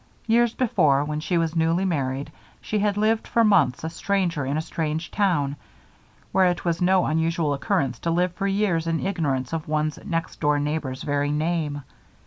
Years before, when she was newly married, she had lived for months a stranger in a strange town, where it was no unusual occurrence to live for years in ignorance of one's next door neighbor's very name.